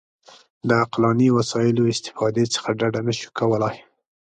د عقلاني وسایلو استفادې څخه ډډه نه شو کولای.